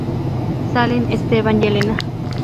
Salen Esteban y Elena.